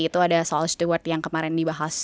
itu ada soal steward yang kemarin dibahas